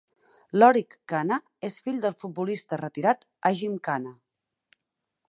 Lorik Cana és fill del futbolista retirat Agim Cana.